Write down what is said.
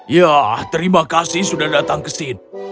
ya terima kasih sudah datang ke sini